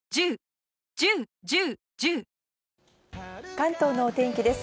関東のお天気です。